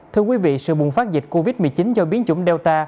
thưa quý vị sự bùng phát dịch covid một mươi chín do biến chủng delta